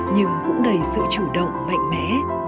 nhưng cũng đầy sự chủ động mạnh mẽ